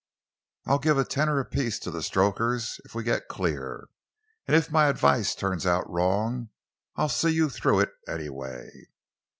I'll give a tenner apiece to the stokers, if we get clear, and if my advice turns out wrong, I'll see you through it, anyway."